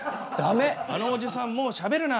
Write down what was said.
「あのおじさんもうしゃべるな！